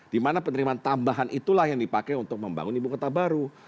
dimana penerimaan tambahan itulah yang dipakai untuk membangun ibu kota baru